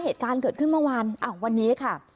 เหตุการณ์เกิดขึ้นเมื่อวานวันนี้ค่ะ